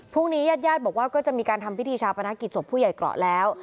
ญาติญาติบอกว่าก็จะมีการทำพิธีชาปนกิจศพผู้ใหญ่เกราะแล้ว